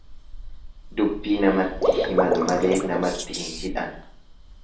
Dubbii namatti himan malee namatti hin hidhan.